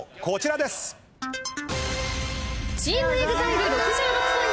こちらです。